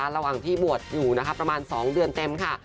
ระหว่างที่บวชอยู่นะคะประมาณ๒เดือนเต็มค่ะ